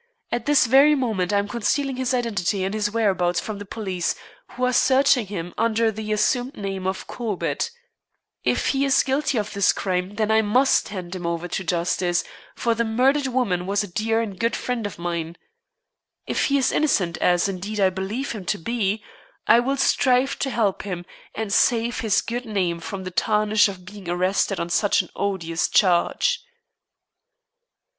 At this very moment I am concealing his identity and his whereabouts from the police, who are searching for him under the assumed name of Corbett. If he is guilty of this crime, then I must hand him over to justice, for the murdered woman was a dear and good friend of mine. If he is innocent, as, indeed, I believe him to be, I will strive to help him and save his good name from the tarnish of being arrested on such an odious charge."